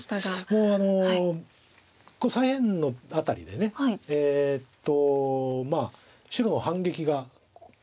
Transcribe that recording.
もう左辺の辺りで白の反撃が厳しくて。